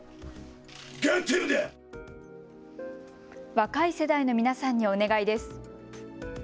若い世代の皆さんにお願いです。